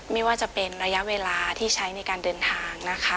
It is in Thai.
ไม่ว่าจะเป็นระยะเวลาที่ใช้ในการเดินทางนะคะ